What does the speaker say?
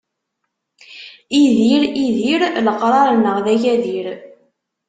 Idir, idir, leqraṛ-nneɣ d agadir.